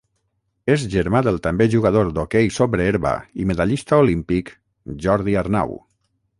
És germà del també jugador d'hoquei sobre herba i medallista olímpic Jordi Arnau.